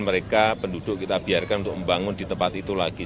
mereka penduduk kita biarkan untuk membangun di tempat itu lagi